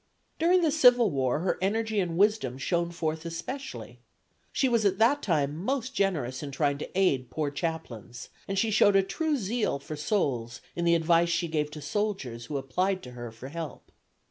"During the civil war her energy and wisdom shone forth especially. She was at that time most generous in trying to aid poor chaplains, and she showed a true zeal for souls in the advice she gave to soldiers who applied to her for help.